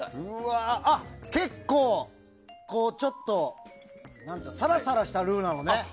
結構、ちょっとサラサラしたルーなのね。